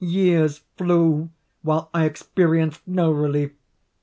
Years flew, while I experienced no relief.